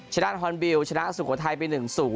ชนะฮอนบิลชนะสุโขทัยไป๑๐